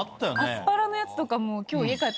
アスパラのやつとか今日。